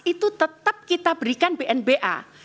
itu tetap kita berikan bnba